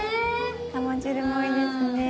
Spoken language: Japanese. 鴨汁もいいですね。